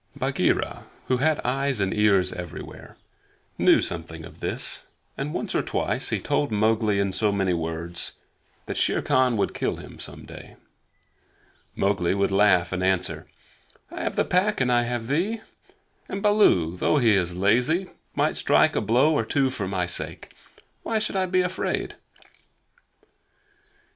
Bagheera, who had eyes and ears everywhere, knew something of this, and once or twice he told Mowgli in so many words that Shere Khan would kill him some day. Mowgli would laugh and answer: "I have the Pack and I have thee; and Baloo, though he is so lazy, might strike a blow or two for my sake. Why should I be afraid?"